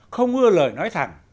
không ưa lời nói thẳng